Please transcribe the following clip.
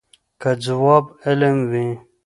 که ځواب علم وي.